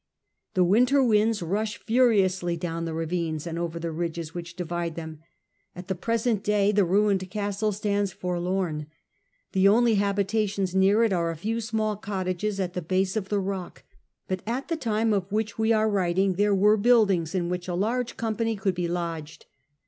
The winter winds rush furiously down the ravines, and over the ridges which divide them. At the present day the ruined castle stands forlorn; the only habitations near it are a few small cottages at the base of the rock, but at the time of which we are writing there were buildings in which a large company could be lodged.